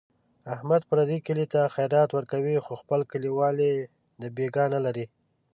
احمد پردي کلي ته خیرات ورکوي، خو خپل کلیوال یې دبیګاه نه لري.